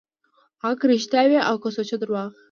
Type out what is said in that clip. هغه که رښتيا وي او که سوچه درواغ وي.